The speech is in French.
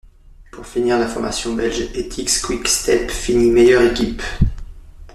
Pour finir la formation belge Etixx-Quick Step finit meilleure équipe.